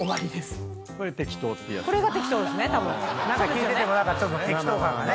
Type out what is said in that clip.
聞いててもちょっと適当感がね。